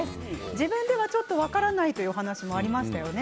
自分では、ちょっと分からないという話もありましたよね。